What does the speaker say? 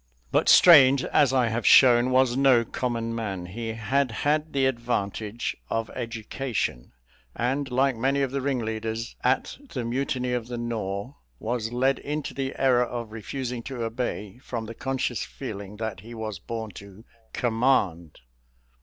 But Strange, as I have shown, was no common man; he had had the advantage of education, and, like many of the ringleaders at the mutiny of the Nore, was led into the error of refusing to obey, from the conscious feeling that he was born to command.